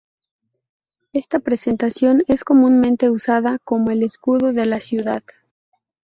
Esta representación es comúnmente usada como el escudo de la ciudad.